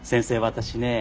私ね